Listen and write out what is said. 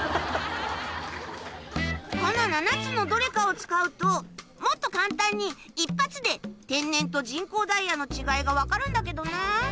この７つのどれかを使うともっと簡単に一発で天然と人工ダイヤの違いが分かるんだけどな。